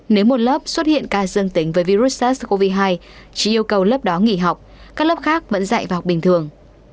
nếu một lớp xuất hiện ca dương tính với virus sars cov hai chỉ yêu cầu lớp đó nghỉ học các lớp khác vẫn dạy vào học bình thường